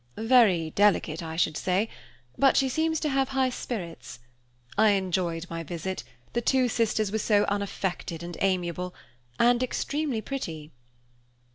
"Very delicate, I should say; but she seems to have high spirits. I enjoyed my visit, the two sisters were so unaffected and amiable, and extremely pretty."